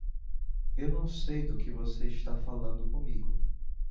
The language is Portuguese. Eu não sei do que você está falando comigo.